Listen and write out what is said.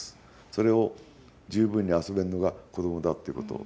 それを十分に遊べるのが子どもだっていうこと。